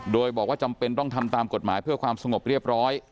โดยบอกว่าจำเป็นต้องทำตามกฎหมายเพื่อความสงบเรียบร้อย